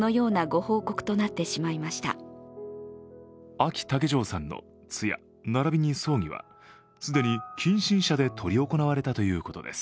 あき竹城さんの通夜並びに葬儀は既に近親者で執り行われたということです。